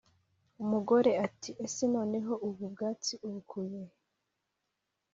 Umugore ati « ese noneho ubu bwatsi ubukuye he ?»